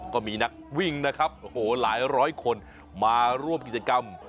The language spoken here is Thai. ก็มีนักวิ่งนะครับโอ้โหหลายร้อยคนมาร่วมกิจกรรม